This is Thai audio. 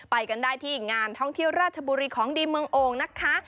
ไปกันได้ที่งานท่องเที่ยวราชบุรีของดีเมืองโอ่งนะคะ